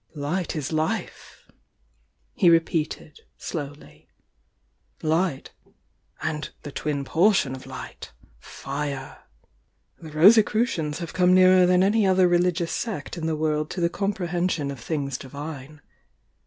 "Light is Life," he repeated, slowly. "Light— and the twin portion of Light,— Fire. The Rosicruciaiis have come nearer than any other religious sect in the world to the comprehension of things divine.